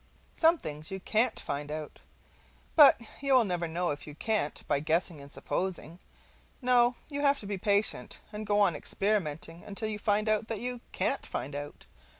Some things you CAN'T find out; but you will never know you can't by guessing and supposing: no, you have to be patient and go on experimenting until you find out that you can't find out.